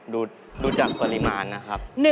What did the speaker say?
ดูจากปริมาณนะครับ